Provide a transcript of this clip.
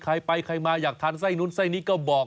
ใครไปใครมาอยากทานไส้นู้นไส้นี้ก็บอก